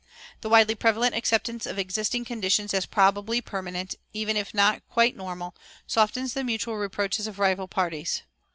[404:1] The widely prevalent acceptance of existing conditions as probably permanent, even if not quite normal, softens the mutual reproaches of rival parties.